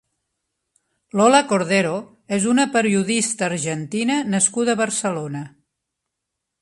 Lola Cordero és una periodista argentina nascuda a Barcelona.